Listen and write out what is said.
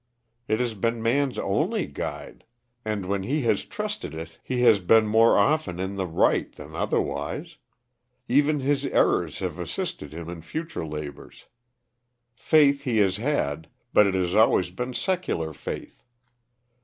It has been man's only guide; and when he has trusted it he has been more often in the right than otherwise. Even his errors have assisted hint in future labors. Faith he has had, but it has always been secular faith.